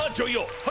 はい！